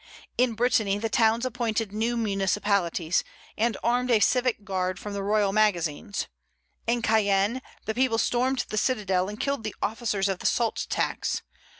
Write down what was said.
"In Brittany the towns appointed new municipalities, and armed a civic guard from the royal magazines. In Caen the people stormed the citadel and killed the officers of the salt tax.